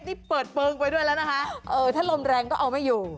นี่เปิดเปลืองไปด้วยแล้วนะคะเออถ้าลมแรงก็เอาไม่อยู่